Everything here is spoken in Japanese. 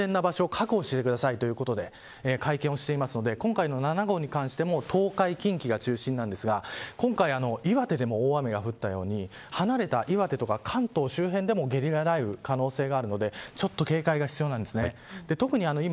なので１日前に早めに発表して安全な場所を確保してくださいということで会見をしているので今回の７号に関しても東海、近畿が中心なんですが今回岩手でも大雨が降ったように離れた岩手とか関東周辺でもゲリラ雷雨の可能性があるのでちょっと警戒が必要です。